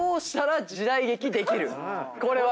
これは？